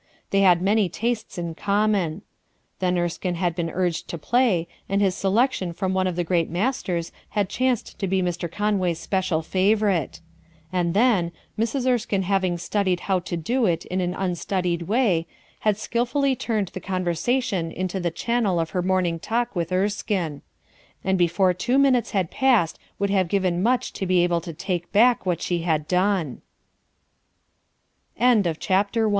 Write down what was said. They had many tastes in common. Then Erskine had been urged to play, and his selection from one of the great masters had chanced to be Mr. Conway's special favorite; and then, Mrs. Erskine having studied how to do it in an un studied way, had skilfully turned the conver sation into the channel of her morning talk with Erskine ; and before two minutes had passed would have given much to be able to